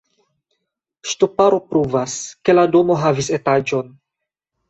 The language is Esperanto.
Ŝtuparo pruvas, ke la domo havis etaĝon.